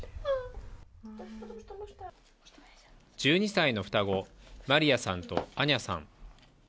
１２歳の双子、マリヤさんとアニャさん。